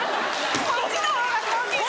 こっちの方がコンビみたい。